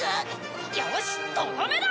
よしとどめだ！